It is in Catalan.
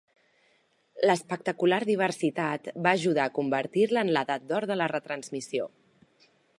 L'espectacular diversitat... va ajudar a convertir-la en l'edat d'or de la retransmissió.